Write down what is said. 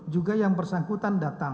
juga yang bersangkutan datang